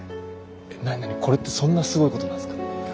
え何何これってそんなすごいことなんすか？